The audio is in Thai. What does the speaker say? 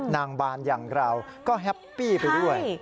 บางบานอย่างเราก็แฮปปี้ไปด้วย